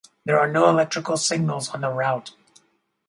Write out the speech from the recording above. There are no electrical signals on the route.